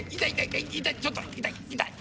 痛い痛いちょっと痛い痛い。